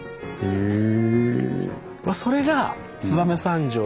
へえ。